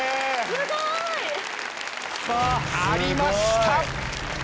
すごい！ありました。